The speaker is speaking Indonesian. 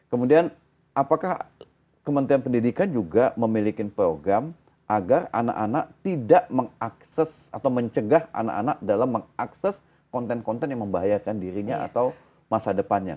kemudian apakah kementerian pendidikan juga memiliki program agar anak anak tidak mengakses atau mencegah anak anak dalam mengakses konten konten yang membahayakan dirinya atau masa depannya